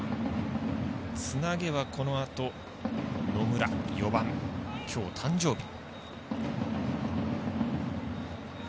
つなげば、このあと野村４番、きょう誕生日。